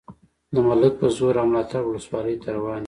د ملک په زور او ملاتړ ولسوالۍ ته روان یو.